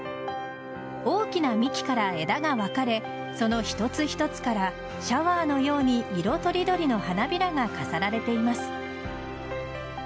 大きな幹から枝が分かれその一つ一つからシャワーのように色とりどりの花びらが飾られています。